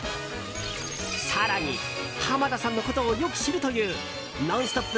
更に、濱田さんのことをよく知るという「ノンストップ！」